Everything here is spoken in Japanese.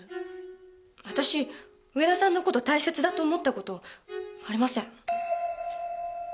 私上田さんの事大切だと思った事ありません。